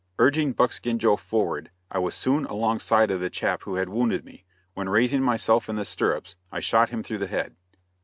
Urging Buckskin Joe forward, I was soon alongside of the chap who had wounded me, when raising myself in the stirrups I shot him through the head.